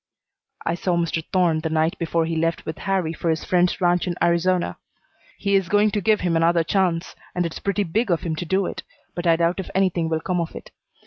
"I saw Mr. Thorne the night before he left with Harrie for his friend's ranch in Arizona. He is going to give him another chance, and it's pretty big of him to do it, but I doubt if anything will come of it.